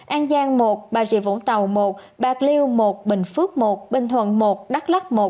an giang một bà rịa vũng tàu một bạc liêu một bình phước một bình thuận một đắk lắc một